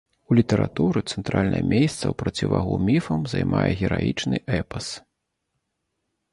У літаратуры цэнтральнае месца ў процівагу міфам займае гераічны эпас.